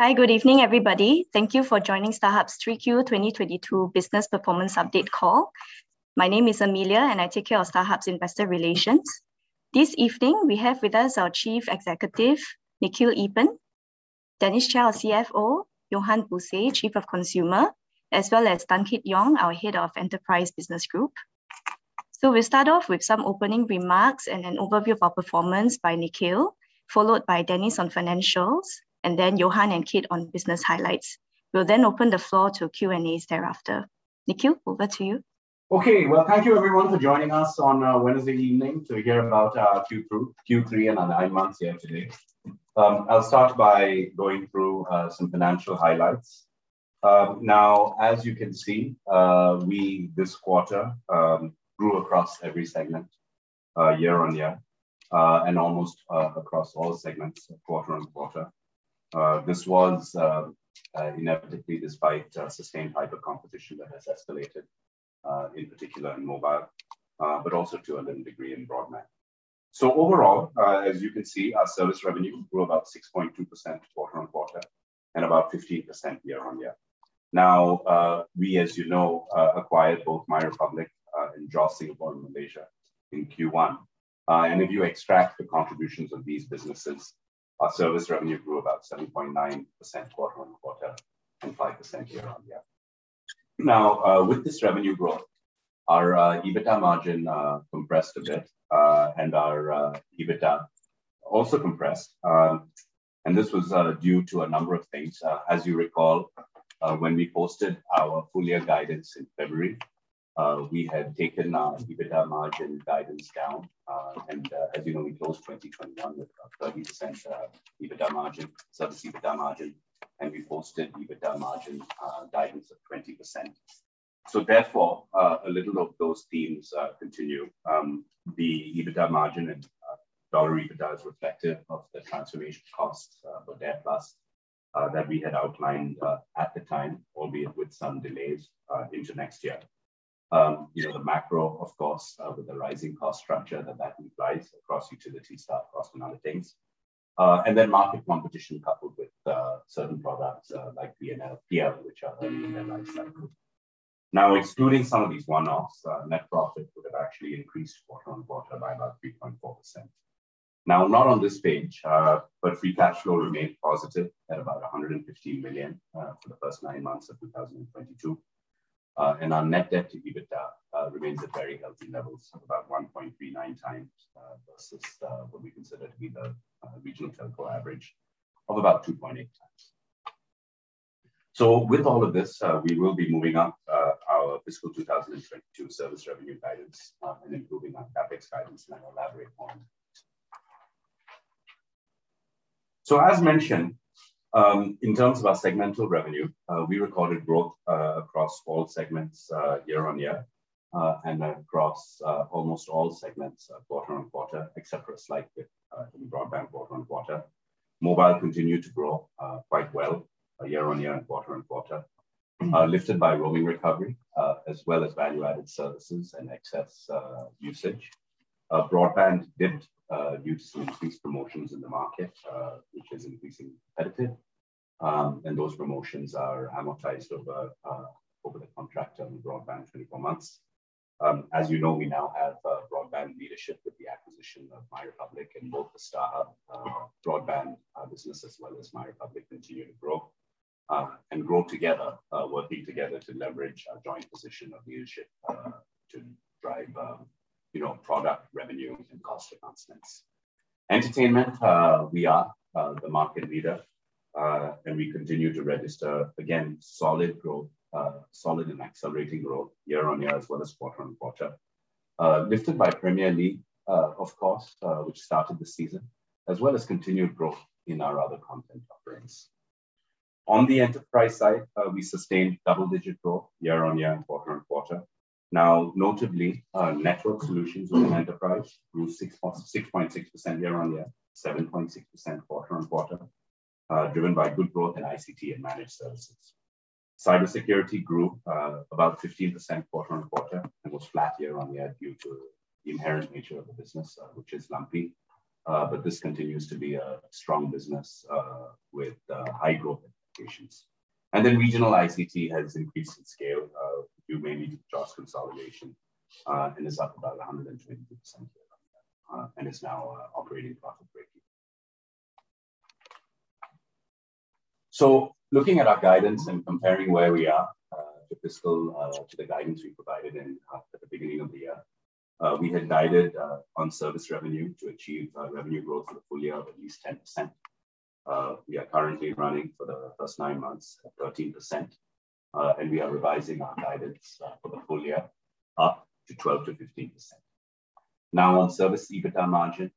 Hi, good evening, everybody. Thank you for joining StarHub's 3Q 2022 business performance update call. My name is Amelia, and I take care of StarHub's investor relations. This evening, we have with us our Chief Executive, Nikhil Eapen, Dennis Chia, our CFO, Johan Buse, Chief of Consumer, as well as Tan Kit Yong, our Head of Enterprise Business Group. We'll start off with some opening remarks and an overview of our performance by Nikhil, followed by Dennis on financials, and then Johan and Kit on business highlights. We'll then open the floor to Q&A thereafter. Nikhil, over to you. Okay. Well, thank you everyone for joining us on a Wednesday evening to hear about our Q3 and our nine months year-to-date. I'll start by going through some financial highlights. Now, as you can see, we, this quarter, grew across every segment year-over-year and almost across all segments quarter-over-quarter. This was inevitably despite sustained hyper competition that has escalated in particular in mobile but also to a certain degree in broadband. Overall, as you can see, our service revenue grew about 6.2% quarter-over-quarter and about 15% year-over-year. Now, we, as you know, acquired both MyRepublic and JOS Singapore and Malaysia in Q1. If you extract the contributions of these businesses, our service revenue grew about 7.9% quarter-over-quarter and 5% year-over-year. Now, with this revenue growth, our EBITDA margin compressed a bit, and our EBITDA also compressed. This was due to a number of things. As you recall, when we posted our full-year guidance in February, we had taken our EBITDA margin guidance down. As you know, we closed 2021 with a 30% EBITDA margin, service EBITDA margin, and we posted EBITDA margin guidance of 20%. Therefore, a little of those themes continue. The EBITDA margin and dollar EBITDA is reflective of the transformation costs for DARE+ that we had outlined at the time, albeit with some delays into next year. You know, the macro, of course, with the rising cost structure that implies across utilities, cost and other things. Market competition coupled with certain products like BNPL, which are early in their life cycle. Now, excluding some of these one-offs, net profit would have actually increased quarter-over-quarter by about 3.4%. Now, not on this page, but free cash flow remained positive at about 150 million for the first nine months of 2022. Our net debt to EBITDA remains at very healthy levels of about 1.39x, versus what we consider to be the regional telco average of about 2.8x. With all of this, we will be moving up our fiscal 2022 service revenue guidance and improving our CapEx guidance in our elaborate form. As mentioned, in terms of our segmental revenue, we recorded growth across all segments year-over-year and across almost all segments quarter-over-quarter, except for a slight bit in broadband quarter-over-quarter. Mobile continued to grow quite well year-over-year and quarter-over-quarter, lifted by roaming recovery as well as value-added services and excess usage. Broadband dipped due to increased promotions in the market, which is increasingly competitive. Those promotions are amortized over the contract term for broadband, 24 months. As you know, we now have broadband leadership with the acquisition of MyRepublic and both the StarHub broadband business as well as MyRepublic continue to grow and grow together, working together to leverage our joint position of leadership to drive, you know, product revenue and cost enhancements. Entertainment, we are the market leader and we continue to register, again, solid growth, solid and accelerating growth year-over-year as well as quarter-over-quarter, lifted by Premier League, of course, which started this season, as well as continued growth in our other content offerings. On the enterprise side, we sustained double-digit growth year-over-year and quarter-over-quarter. Now, notably, our network solutions within enterprise grew 6.6% year-over-year, 7.6% quarter-over-quarter, driven by good growth in ICT and managed services. Cybersecurity grew about 15% quarter-over-quarter and was flat year-over-year due to the inherent nature of the business, which is lumpy. This continues to be a strong business with high growth implications. Regional ICT has increased in scale due mainly to JOS consolidation and is up about 120% year-over-year and is now operating profit breakeven. Looking at our guidance and comparing where we are to the guidance we provided at the beginning of the year. We had guided on service revenue to achieve revenue growth for the full year of at least 10%. We are currently running for the first nine months at 13%, and we are revising our guidance for the full year up to 12%-15%. Now on service EBITDA margin,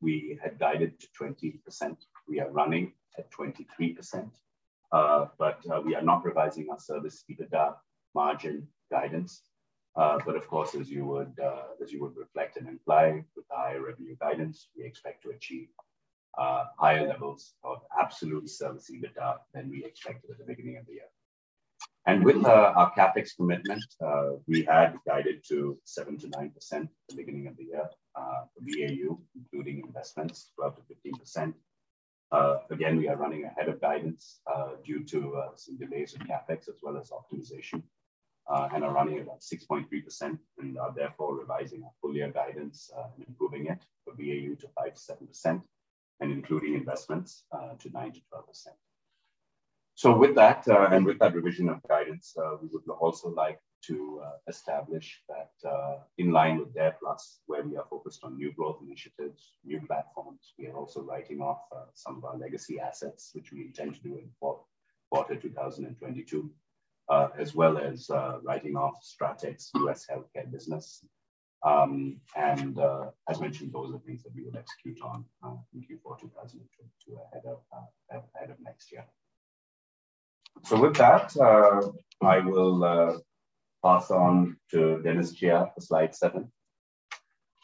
we had guided to 20%. We are running at 23%, but we are not revising our service EBITDA margin guidance. Of course, as you would reflect and imply with the higher revenue guidance, we expect to achieve higher levels of absolute service EBITDA than we expected at the beginning of the year. With our CapEx commitment, we had guided to 7%-9% at the beginning of the year for BAU, including investments of up to 15%. Again, we are running ahead of guidance due to some delays in CapEx as well as optimization, and are running at about 6.3% and are therefore revising our full year guidance and improving it for BAU to 5%-7% and including investments to 9%-12%. With that revision of guidance, we would also like to establish that, in line with DARE+, where we are focused on new growth initiatives, new platforms, we are also writing off some of our legacy assets, which we intend to do in Q2 2022. As well as writing off Strateq U.S. healthcare business. As mentioned, those are things that we will execute on in Q4 2022 ahead of next year. With that, I will pass on to Dennis Chia for slide 7.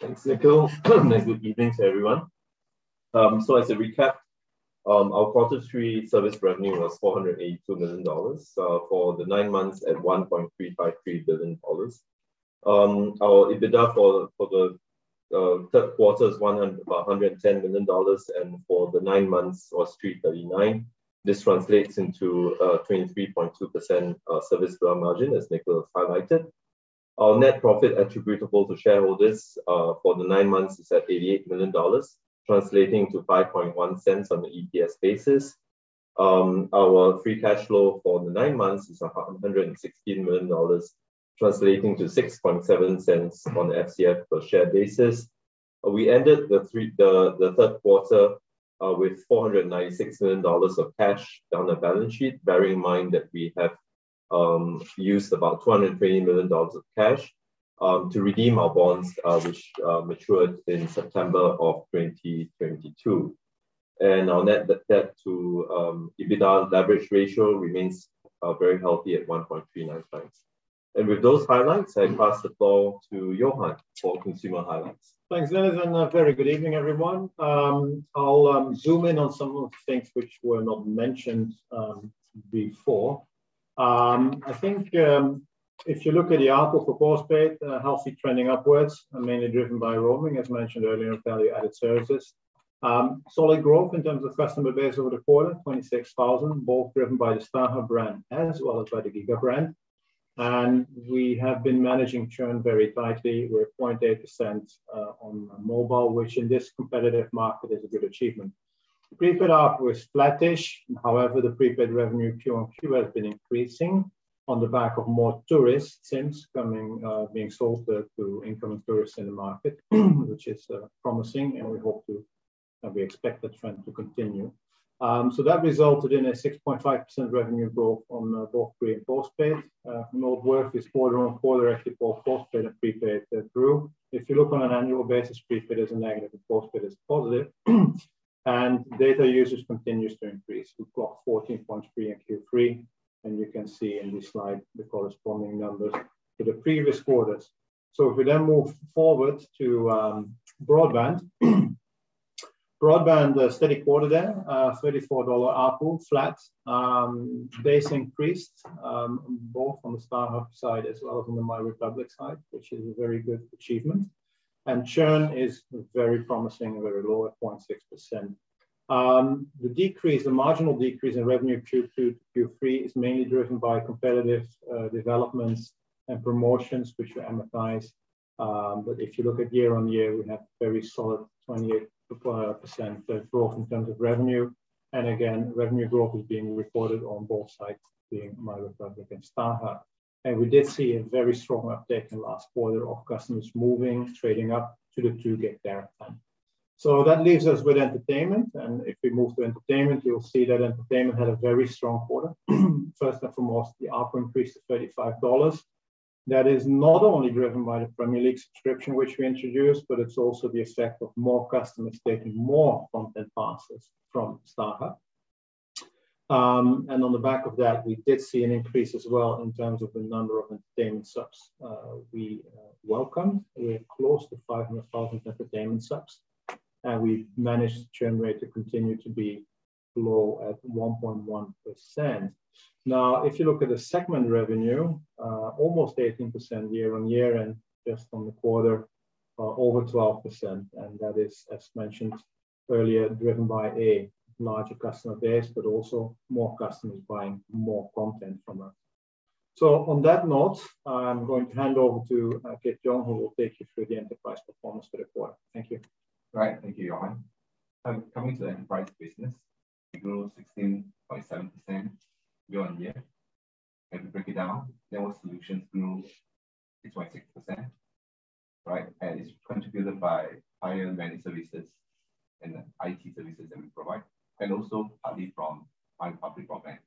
Thanks, Nikhil. Good evening to everyone. As a recap, our quarter three service revenue was 482 million dollars for the nine months at 1.353 billion dollars. Our EBITDA for the third quarter is about 110 million dollars, and for the nine months was 339 million. This translates into a 23.2% service gross margin, as Nikhil highlighted. Our net profit attributable to shareholders for the nine months is at 88 million dollars, translating to 0.051 on the EPS basis. Our free cash flow for the nine months is 116 million dollars, translating to 0.067 on the FCF per share basis. We ended the third quarter with 496 million dollars of cash on the balance sheet, bearing in mind that we have used about 220 million dollars of cash to redeem our bonds, which matured in September 2022. Our net debt to EBITDA leverage ratio remains very healthy at 1.39x. With those highlights, I pass the floor to Johan for consumer highlights. Thanks, Dennis, and a very good evening, everyone. I'll zoom in on some of the things which were not mentioned before. I think if you look at the ARPU for postpaid healthy trending upwards, mainly driven by roaming, as mentioned earlier, and value-added services. Solid growth in terms of customer base over the quarter, 26,000, both driven by the StarHub brand as well as by the giga! brand. We have been managing churn very tightly. We're at 0.8% on mobile, which in this competitive market is a good achievement. The prepaid ARPU is flattish. However, the prepaid revenue quarter-over-quarter has been increasing on the back of more tourist SIMs coming being sold through incoming tourists in the market, which is promising, and we expect the trend to continue. That resulted in a 6.5% revenue growth on both pre and postpaid. Noteworthy is quarter-over-quarter actually both postpaid and prepaid grew. If you look on an annual basis, prepaid is a negative and postpaid is positive. Data usage continues to increase. We've got 14.3 in Q3, and you can see in this slide the corresponding numbers to the previous quarters. If we then move forward to broadband. Broadband, a steady quarter there. 34 dollar ARPU, flat. Base increased both on the StarHub side as well as on the MyRepublic side, which is a very good achievement. Churn is very promising, very low at 0.6%. The marginal decrease in revenue Q2 to Q3 is mainly driven by competitive developments and promotions which are amortized. If you look at year-over-year, we have very solid 28.5% growth in terms of revenue. Again, revenue growth is being reported on both sides, being MyRepublic and StarHub. We did see a very strong uptake in the last quarter of customers moving, trading up to the 2 Gbps tariff plan. That leaves us with entertainment. If we move to entertainment, you'll see that entertainment had a very strong quarter. First and foremost, the ARPU increased to 35 dollars. That is not only driven by the Premier League subscription which we introduced, but it's also the effect of more customers taking more content passes from StarHub. On the back of that, we did see an increase as well in terms of the number of entertainment subs we welcomed. We are close to 500,000 entertainment subs, and we've managed churn rate to continue to be low at 1.1%. Now, if you look at the segment revenue, almost 18% year-over-year and just on the quarter, over 12%. That is, as mentioned earlier, driven by a larger customer base, but also more customers buying more content from us. On that note, I'm going to hand over to Kit Yong, who will take you through the enterprise performance for the quarter. Thank you. Great. Thank you, Johan. Coming to the enterprise business, we grew 16.7% year-over-year. If we break it down, network solutions grew 6.6%, right? It's contributed by higher managed services and the IT services that we provide, and also partly from MyRepublic broadband.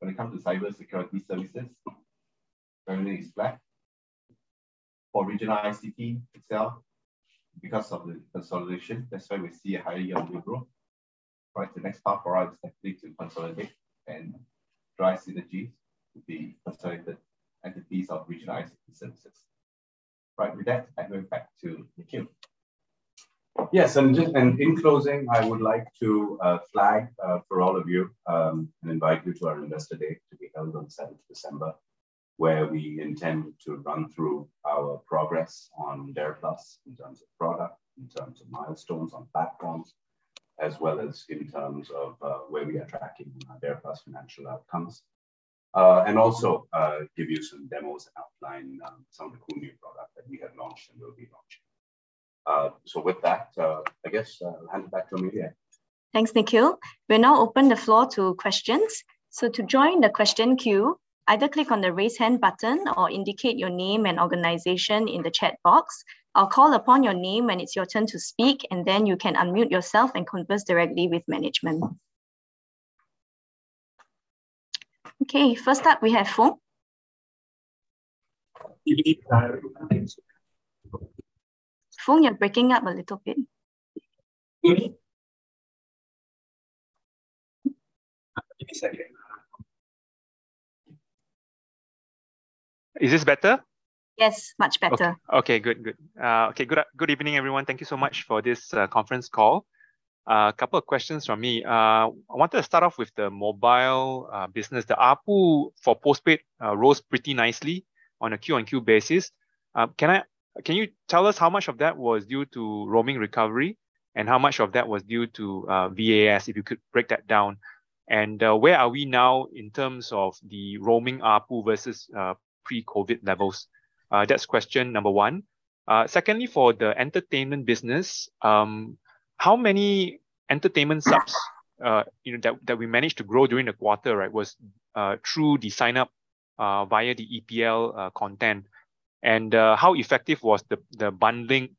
When it comes to cybersecurity services, revenue is flat. For regional ICT itself, because of the consolidation, that's why we see a higher year-over-year growth, right? The next part for us is actually to consolidate and drive synergies to the consolidated entities of regionalized services. Right. With that, I'm going back to Nikhil. Yes. In closing, I would like to flag for all of you and invite you to our investor day to be held on 7th December, where we intend to run through our progress on DARE+ in terms of product, in terms of milestones on platforms, as well as in terms of where we are tracking our DARE+ financial outcomes, and also give you some demos and outline some of the cool new product that we have launched and will be launching. With that, I guess I'll hand it back to Amelia. Thanks, Nikhil. We'll now open the floor to questions. To join the question queue, either click on the Raise Hand button or indicate your name and organization in the chat box. I'll call upon your name when it's your turn to speak, and then you can unmute yourself and converse directly with management. Okay, first up we have Foong. Good evening. Foong, you're breaking up a little bit. Give me a second. Is this better? Yes, much better. Good evening, everyone. Thank you so much for this conference call. Couple of questions from me. I wanted to start off with the mobile business. The ARPU for postpaid rose pretty nicely on a Q-on-Q basis. Can you tell us how much of that was due to roaming recovery and how much of that was due to VAS, if you could break that down? Where are we now in terms of the roaming ARPU versus pre-COVID levels? That's question number one. Secondly, for the entertainment business, how many entertainment subs you know that we managed to grow during the quarter, right, was through the sign-up via the EPL content? How effective was the bundling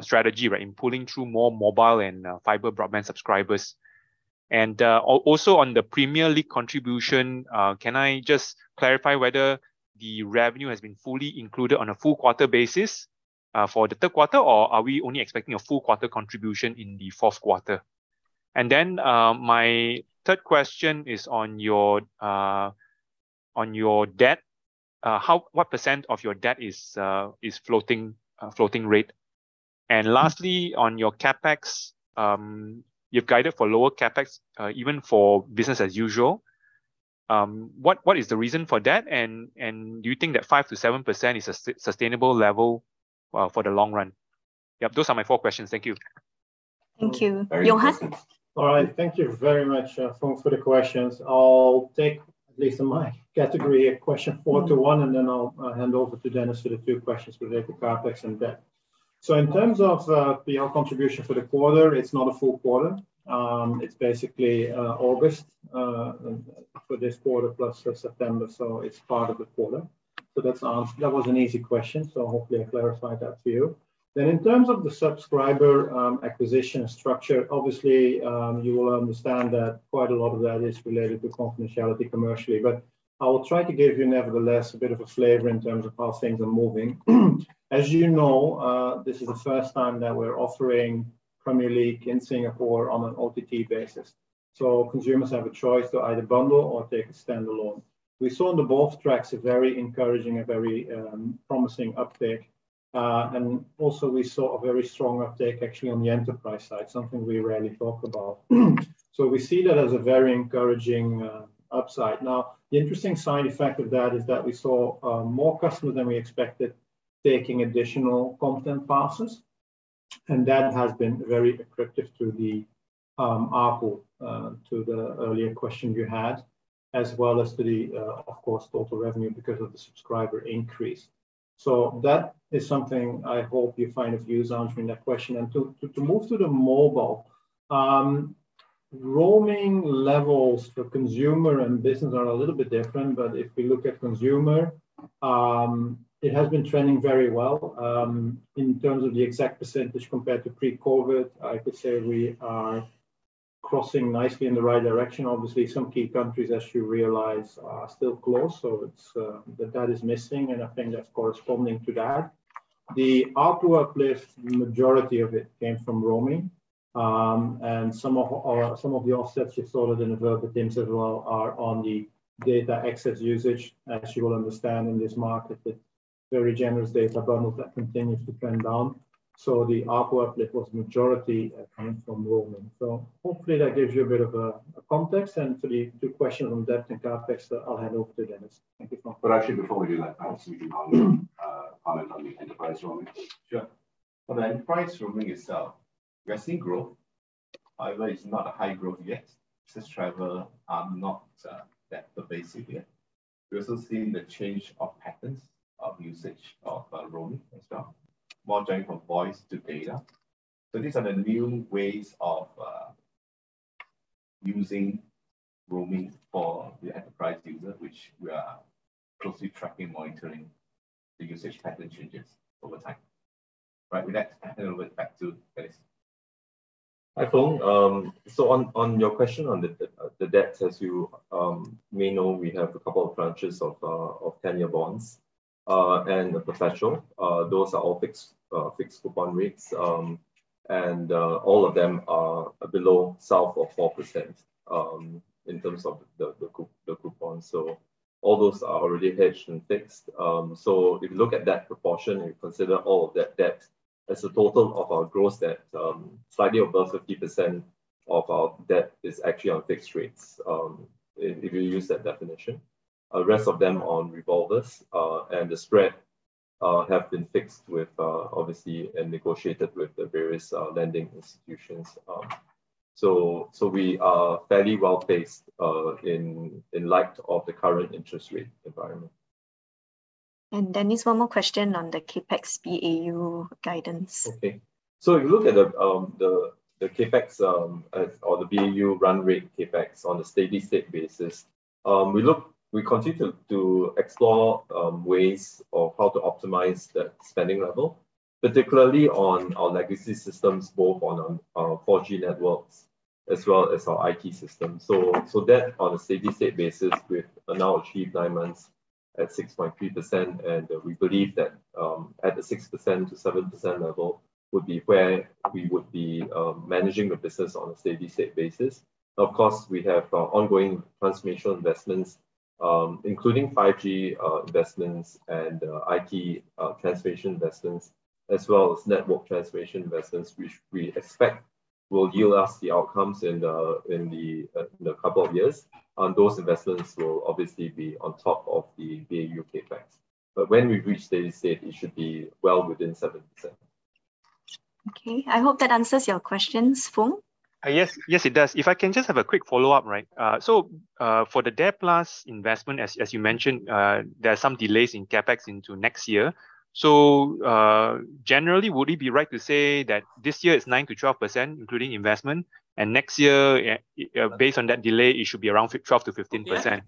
strategy, right, in pulling through more mobile and fiber broadband subscribers? Also on the Premier League contribution, can I just clarify whether the revenue has been fully included on a full quarter basis for the third quarter, or are we only expecting a full quarter contribution in the fourth quarter? My third question is on your debt. What percent of your debt is floating rate? On your CapEx, you've guided for lower CapEx even for business as usual. What is the reason for that? And do you think that 5%-7% is a sustainable level for the long run? Yeah. Those are my four questions. Thank you. Thank you. Very- Johan? All right. Thank you very much, Foong, for the questions. I'll take at least in my category here, question four to one, and then I'll hand over to Dennis for the two questions related to CapEx and debt. In terms of the EPL contribution for the quarter, it's not a full quarter. It's basically August for this quarter plus September, so it's part of the quarter. That was an easy question, so hopefully I clarified that for you. In terms of the subscriber acquisition structure, obviously you will understand that quite a lot of that is related to confidentiality commercially. I will try to give you nevertheless a bit of a flavor in terms of how things are moving. As you know, this is the first time that we're offering Premier League in Singapore on an OTT basis. Consumers have a choice to either bundle or take a standalone. We saw on the both tracks a very encouraging, very promising uptake. We also saw a very strong uptake actually on the enterprise side, something we rarely talk about. We see that as a very encouraging upside. Now, the interesting side effect of that is that we saw more customers than we expected taking additional content passes, and that has been very accretive to the ARPU, to the earlier question you had, as well as to the of course, total revenue because of the subscriber increase. That is something I hope you find of use answering that question. To move to the mobile. Roaming levels for consumer and business are a little bit different. If we look at consumer, it has been trending very well. In terms of the exact percentage compared to pre-COVID, I could say we are crossing nicely in the right direction. Obviously, some key countries, as you realize, are still closed, so it's that is missing, and I think that's corresponding to that. The ARPU uplift, the majority of it came from roaming. Some of the offsets you saw that in the vertical teams as well are on the data excess usage. As you will understand in this market, the very generous data bundles that continues to trend down. The ARPU uplift was majority came from roaming. Hopefully that gives you a bit of a context. To the two questions on debt and CapEx, I'll hand over to Dennis. Thank you, Foong. Actually before we do that, perhaps we can comment on the enterprise roaming. Sure. For the enterprise roaming itself, we are seeing growth. However, it's not a high growth yet since travel are not that pervasive yet. We're also seeing the change of patterns of usage of roaming as well, more going from voice to data. These are the new ways of using roaming for the enterprise user, which we are closely tracking, monitoring the usage pattern changes over time. Right. With that, I hand over back to Dennis. Hi, Foong. On your question on the debt, as you may know, we have a couple of tranches of ten-year bonds and the perpetual. Those are all fixed coupon rates. All of them are south of 4%, in terms of the coupon. All those are already hedged and fixed. If you look at that proportion and you consider all of that debt as a total of our gross debt, slightly above 50%. Of our debt is actually on fixed rates, if you use that definition. The rest of them are on revolvers. The spread have been fixed with, obviously, and negotiated with the various, lending institutions. We are fairly well-placed, in light of the current interest rate environment. Dennis, one more question on the CapEx BAU guidance? If you look at the CapEx or the BAU run rate CapEx on a steady-state basis, we continue to explore ways of how to optimize that spending level, particularly on our legacy systems, both on our 4G networks as well as our IT system. That on a steady-state basis now achieved nine months at 6.3%, and we believe that at the 6%-7% level would be where we would be managing the business on a steady-state basis. Of course, we have ongoing transformation investments including 5G investments and IT transformation investments, as well as network transformation investments, which we expect will yield us the outcomes in a couple of years. Those investments will obviously be on top of the BAU CapEx. When we reach steady state, it should be well within 7%. Okay. I hope that answers your questions, Foong. Yes. Yes, it does. If I can just have a quick follow-up, right? For the debt plus investment, as you mentioned, there are some delays in CapEx into next year. Generally, would it be right to say that this year it's 9%-12%, including investment, and next year, based on that delay, it should be around 12%-15%?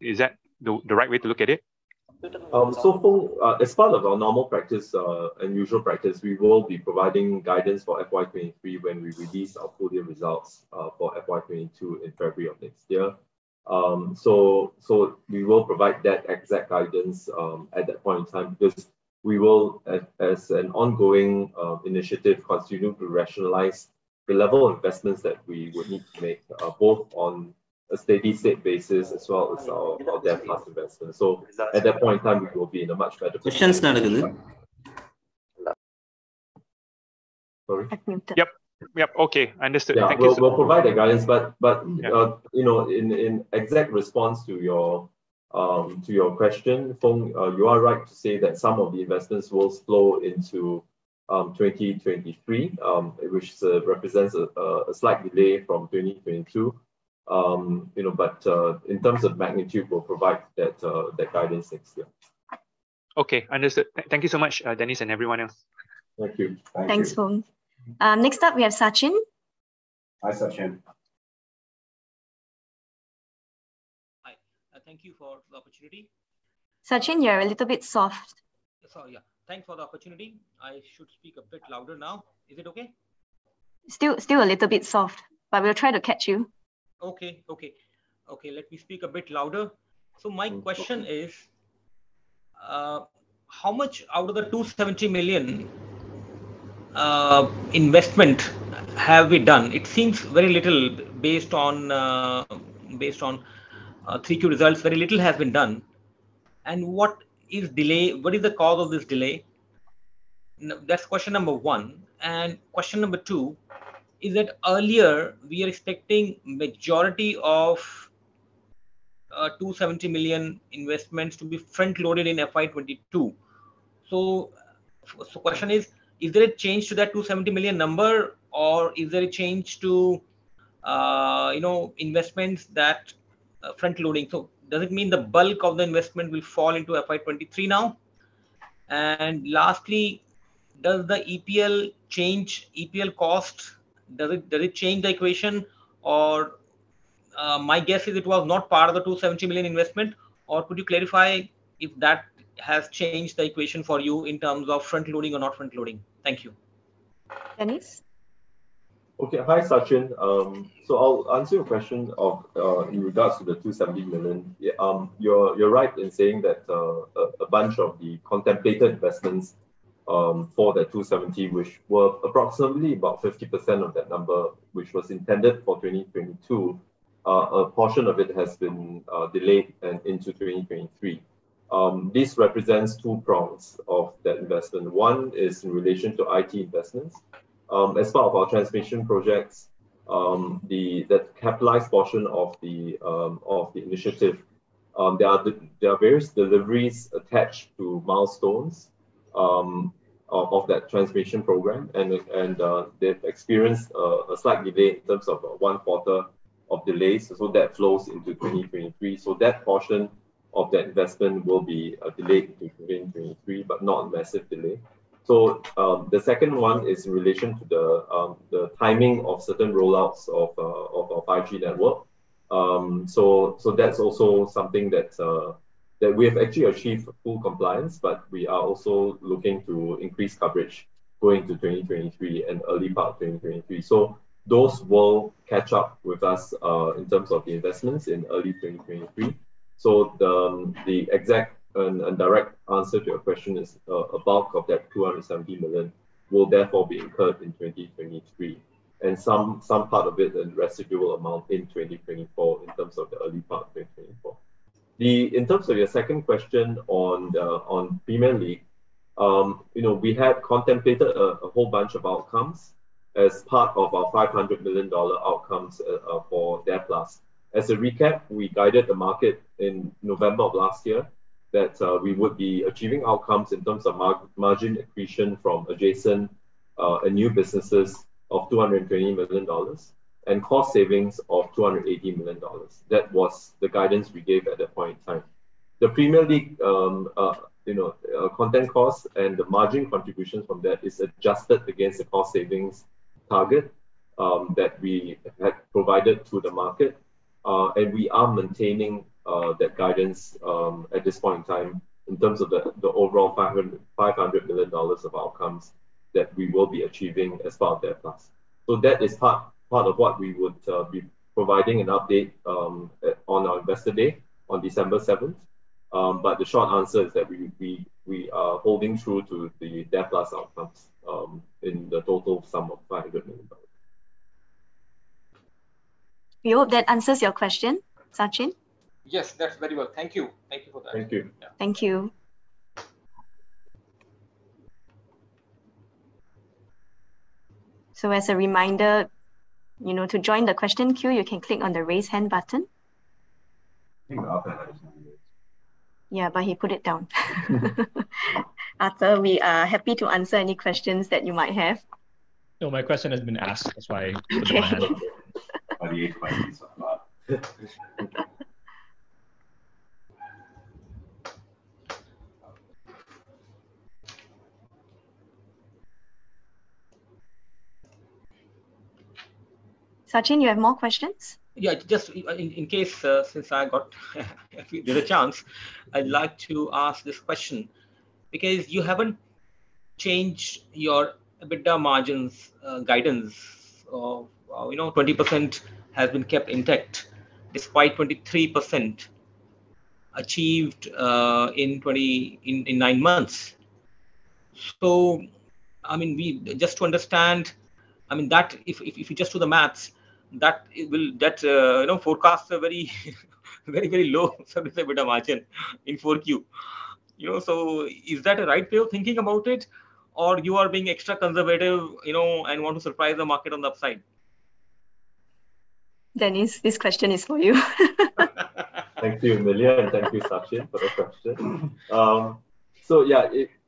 Is that the right way to look at it? Foong, as part of our normal practice and usual practice, we will be providing guidance for FY 2023 when we release our full year results for FY 2022 in February of next year. We will provide that exact guidance at that point in time because we will, as an ongoing initiative, continue to rationalize the level of investments that we would need to make, both on a steady-state basis as well as our DARE+ investments. At that point in time, we will be in a much better position. Questions Sorry? I think that. Yep. Okay. Understood. Thank you so much. Yeah. We'll provide the guidance. Yeah You know, in exact response to your question, Foong, you are right to say that some of the investments will flow into 2023, which represents a slight delay from 2022. You know, in terms of magnitude, we'll provide that guidance next year. Okay. Understood. Thank you so much, Dennis and everyone else. Thank you. Thank you. Thanks, Foong. Next up we have Sachin. Hi, Sachin. Hi. Thank you for the opportunity. Sachin, you're a little bit soft. Sorry. Yeah. Thanks for the opportunity. I should speak a bit louder now. Is it okay? Still a little bit soft, but we'll try to catch you. Okay, let me speak a bit louder. My question is, how much out of the 270 million investment have we done? It seems very little based on 3Q results. Very little has been done. What is the delay? What is the cause of this delay? That's question number one. Question number two is that earlier we are expecting majority of 270 million investments to be frontloaded in FY 2022. Question is there a change to that 270 million number, or is there a change to, you know, investments that frontloading? Does it mean the bulk of the investment will fall into FY 2023 now? Lastly, does the EPL change EPL costs? Does it change the equation or, my guess is it was not part of the 270 million investment. Could you clarify if that has changed the equation for you in terms of frontloading or not frontloading? Thank you. Dennis? Okay. Hi, Sachin. I'll answer your question of in regards to the 270 million. Yeah, you're right in saying that a bunch of the contemplated investments for the 270 million, which were approximately about 50% of that number, which was intended for 2022, a portion of it has been delayed and into 2023. This represents two prongs of that investment. One is in relation to IT investments. As part of our transformation projects, the capitalized portion of the initiative, there are various deliveries attached to milestones of that transformation program. They've experienced a slight delay in terms of one quarter of delays, that flows into 2023. That portion of the investment will be delayed into 2023, but not a massive delay. The second one is in relation to the timing of certain rollouts of 5G network. That's also something that we have actually achieved full compliance, but we are also looking to increase coverage going to 2023 and early part 2023. Those will catch up with us in terms of the investments in early 2023. The exact and direct answer to your question is a bulk of that 270 million will therefore be incurred in 2023. Some part of it, the residual amount in 2024, in terms of the early part 2024. In terms of your second question on the Premier League, you know, we had contemplated a whole bunch of outcomes as part of our 500 million dollar outcomes for DARE+. As a recap, we guided the market in November of last year that we would be achieving outcomes in terms of margin accretion from adjacent and new businesses of 220 million dollars and cost savings of 280 million dollars. That was the guidance we gave at that point in time. The Premier League content costs and the margin contributions from that is adjusted against the cost savings target that we had provided to the market. We are maintaining that guidance at this point in time in terms of the overall 500 million dollars of outcomes that we will be achieving as part of DARE+. That is part of what we would be providing an update on our Investor Day on December seventh. The short answer is that we are holding true to the DARE+ outcomes in the total sum of 500 million dollars. We hope that answers your question, Sachin. Yes, that's very well. Thank you. Thank you for that. Thank you. Yeah. Thank you. As a reminder, you know, to join the question queue, you can click on the Raise Hand button. I think Arthur has his hand raised. Yeah, he put it down. Arthur, we are happy to answer any questions that you might have. No, my question has been asked. That's why I put my hand up. Okay. I'm not. Sachin, you have more questions? Yeah, just in case, since I got a few, if I get a chance, I'd like to ask this question. Because you haven't changed your EBITDA margins guidance of, you know, 20% has been kept intact despite 23% achieved in 2023 in nine months. Just to understand, I mean, that if you just do the math, that forecasts a very low service EBITDA margin in 4Q. You know, is that a right way of thinking about it? Or you are being extra conservative, you know, and want to surprise the market on the upside? Dennis, this question is for you. Thank you, Amelia, and thank you, Sachin, for the question.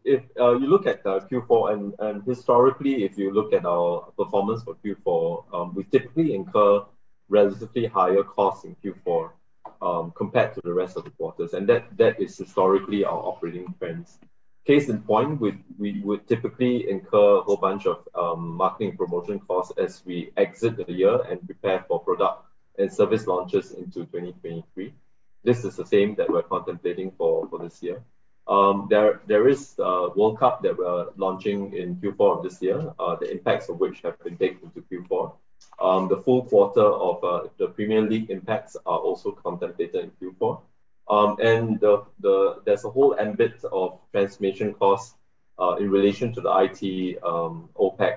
If you look at Q4 and historically, if you look at our performance for Q4, we typically incur relatively higher costs in Q4 compared to the rest of the quarters. That is historically our operating trends. Case in point, we would typically incur a whole bunch of marketing promotion costs as we exit the year and prepare for product and service launches into 2023. This is the same that we're contemplating for this year. There is World Cup that we're launching in Q4 of this year, the impacts of which have been taken to Q4. The full quarter of the Premier League impacts are also contemplated in Q4. There's a whole ambit of transformation costs in relation to the IT OpEx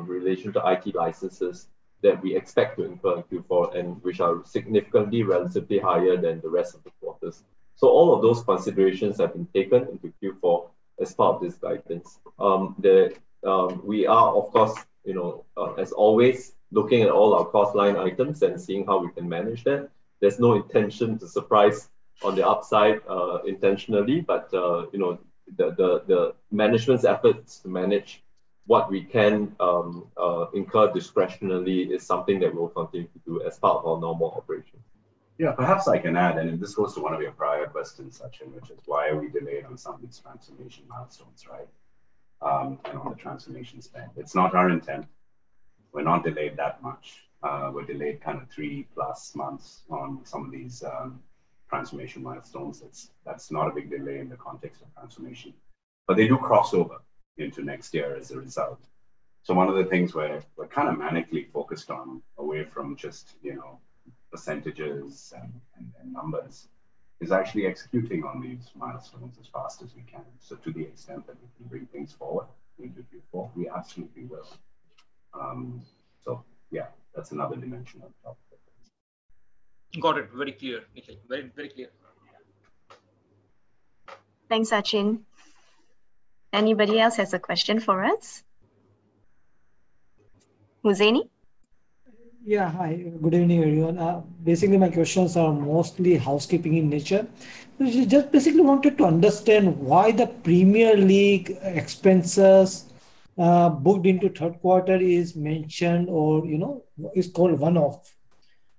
in relation to IT licenses that we expect to incur in Q4 and which are significantly relatively higher than the rest of the quarters. All of those considerations have been taken into Q4 as part of this guidance. We are, of course, you know, as always, looking at all our cost line items and seeing how we can manage that. There's no intention to surprise on the upside intentionally, but you know, the management's efforts to manage what we can incur discretionarily is something that we'll continue to do as part of our normal operations. Yeah. Perhaps I can add, and this goes to one of your prior questions, Sachin, which is why are we delayed on some of these transformation milestones, right? On the transformation spend. It's not our intent. We're not delayed that much. We're delayed kind of 3+ months on some of these transformation milestones. That's not a big delay in the context of transformation. They do cross over into next year as a result. One of the things we're kind of manically focused on, away from just, you know, percentages and numbers, is actually executing on these milestones as fast as we can. To the extent that we can bring things forward into Q4, we absolutely will. Yeah, that's another dimension on top of it. Got it. Very clear, Nikhil. Very, very clear. Thanks, Sachin. Anybody else has a question for us? Hussaini? Yeah. Hi. Good evening, everyone. Basically, my questions are mostly housekeeping in nature. Just basically wanted to understand why the Premier League expenses booked into third quarter is mentioned or, you know, is called one-off.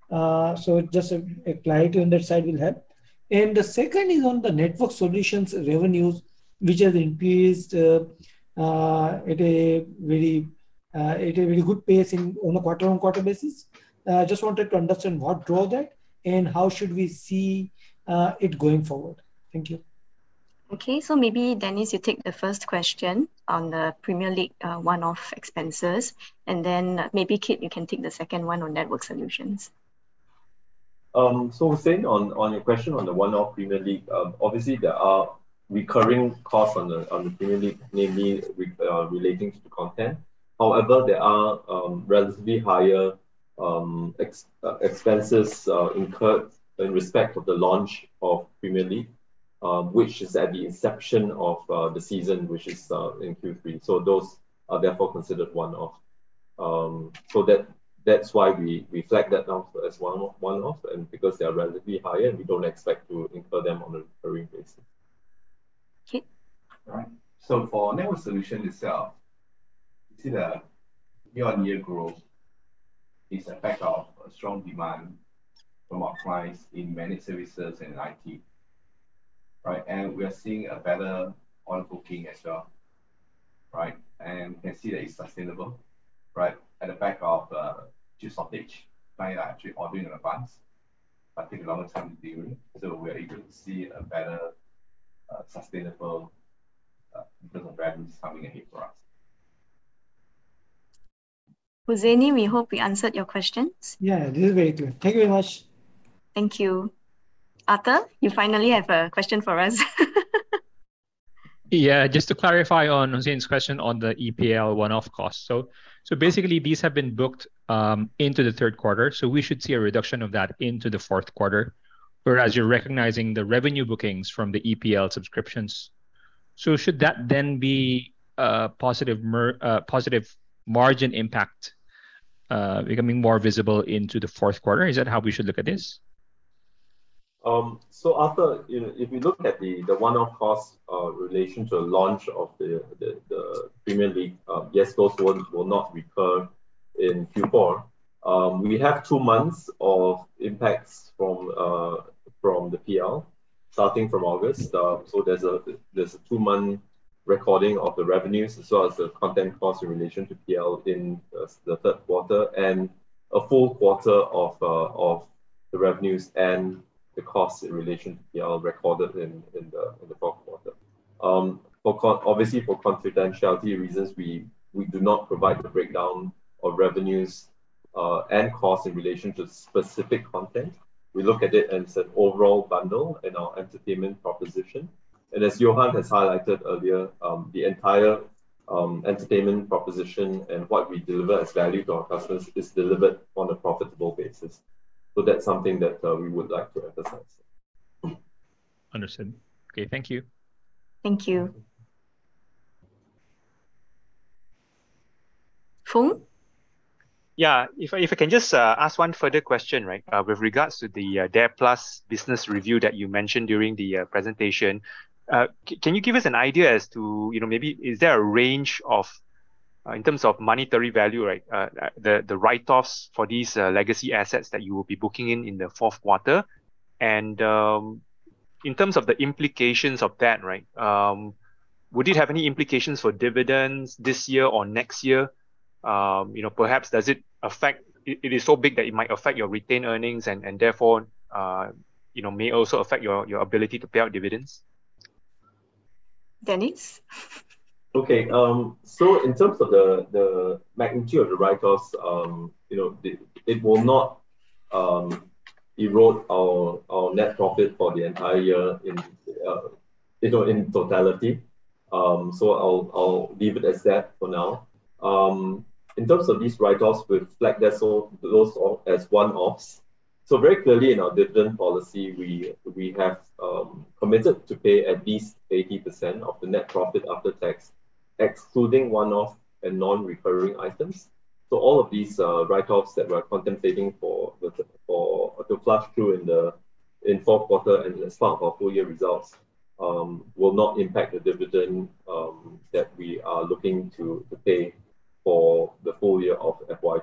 So just a clarity on that side will help. The second is on the network solutions revenues, which has increased at a very good pace on a quarter-over-quarter basis. Just wanted to understand what drove that, and how should we see it going forward. Thank you. Okay. Maybe, Dennis, you take the first question on the Premier League, one-off expenses, and then maybe, Kit, you can take the second one on network solutions. Hussaini, on your question on the one-off Premier League, obviously there are recurring costs on the Premier League, namely relating to content. However, there are relatively higher expenses incurred in respect of the launch of Premier League, which is at the inception of the season, which is in Q3. Those are therefore considered one-off. That's why we reflect that down as one-off, and because they are relatively higher, and we don't expect to incur them on a recurring basis. Okay. All right. For network solution itself, you see the year-over-year growth is effect of a strong demand from our clients in managed services and in IT, right? We are seeing a better order booking as well, right? We can see that it's sustainable, right? On the back of, chip shortage, clients are actually ordering in advance but take a longer time delivering, so we are able to see a better, sustainable, in terms of revenue coming ahead for us. Hussaini, we hope we answered your questions. Yeah. This is very clear. Thank you very much. Thank you. Arthur, you finally have a question for us. Yeah. Just to clarify on Hussaini's question on the EPL one-off cost. Basically these have been booked into the third quarter. We should see a reduction of that into the fourth quarter, whereas you're recognizing the revenue bookings from the EPL subscriptions. Should that then be a positive margin impact becoming more visible into the fourth quarter? Is that how we should look at this? Arthur, you know, if you look at the one-off costs in relation to the launch of the Premier League, yes, those ones will not recur in Q4. We have two months of impacts from the PL starting from August. There's a two-month recording of the revenues as well as the content cost in relation to PL in the third quarter and a full quarter of the revenues and the costs in relation to PL recorded in the fourth quarter. Obviously for confidentiality reasons, we do not provide the breakdown of revenues and costs in relation to specific content. We look at it as an overall bundle in our entertainment proposition. As Johan has highlighted earlier, the entire entertainment proposition and what we deliver as value to our customers is delivered on a profitable basis. That's something that we would like to emphasize. Understood. Okay. Thank you. Thank you. Foong? Yeah. If I can just ask one further question, right? With regards to the DARE+ business review that you mentioned during the presentation. Can you give us an idea as to, you know, maybe is there a range of in terms of monetary value, right, the write-offs for these legacy assets that you will be booking in the fourth quarter? In terms of the implications of that, right, would it have any implications for dividends this year or next year? You know, perhaps does it affect? Is it so big that it might affect your retained earnings and therefore, you know, may also affect your ability to pay out dividends? Dennis. Okay. In terms of the magnitude of the write-offs, you know, it will not erode our net profit for the entire year, you know, in totality. I'll leave it as that for now. In terms of these write-offs, we've flagged those as one-offs. Very clearly in our dividend policy, we have committed to pay at least 80% of the net profit after tax, excluding one-off and non-recurring items. All of these write-offs that we're contemplating to flush through in the fourth quarter and as part of our full year results will not impact the dividend that we are looking to pay for the full year of FY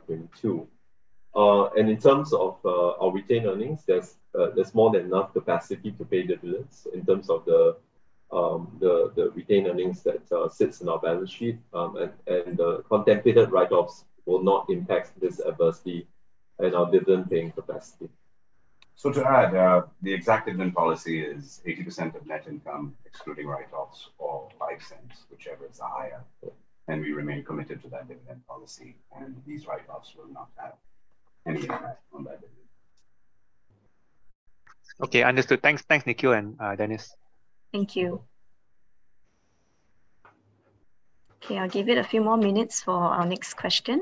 2022. In terms of our retained earnings, there's more than enough capacity to pay dividends in terms of the retained earnings that sits in our balance sheet. The contemplated write-offs will not impact this adversely and our dividend paying capacity. The exact dividend policy is 80% of net income excluding write-offs or 0.05, whichever is higher. We remain committed to that dividend policy, and these write-offs will not have any impact on that dividend. Okay. Understood. Thanks. Thanks, Nikhil and Dennis. Thank you. Okay, I'll give it a few more minutes for our next question.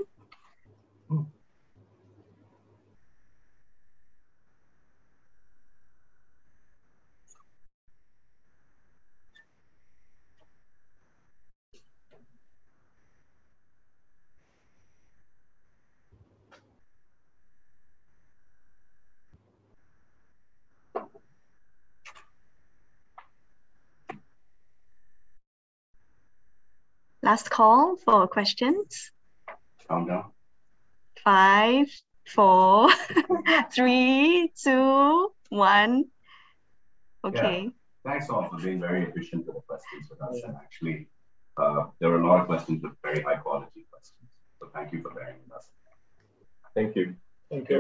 Mm. Last call for questions. Calm down. 5, 4, 3, 2, 1. Okay. Yeah. Thanks, all, for being very efficient with the questions for us. Actually, there were a lot of questions but very high quality questions. Thank you for bearing with us. Thank you. Thank you. Thank you.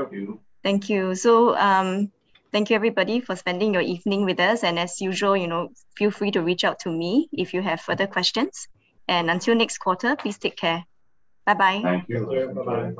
Thank you. Thank you everybody for spending your evening with us. As usual, you know, feel free to reach out to me if you have further questions. Until next quarter, please take care. Bye-bye. Thank you. Thank you. Bye-bye.